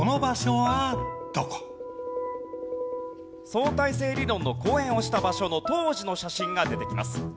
相対性理論の講演をした場所の当時の写真が出てきます。